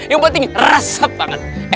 yang penting resep banget